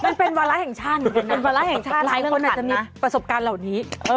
มันเป็นวาร้ายแห่งชาติเหมือนกันนะหลายคนอาจจะมีประสบการณ์เหล่านี้